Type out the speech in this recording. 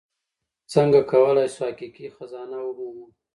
څنګه کولی شو حقیقي خزانه ومومو؟